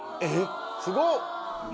すごっ。